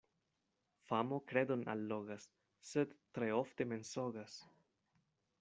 Famo kredon allogas, sed tre ofte mensogas.